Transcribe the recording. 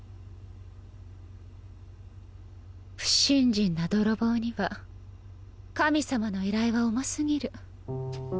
不信心な泥棒には神様の依頼は重過ぎる。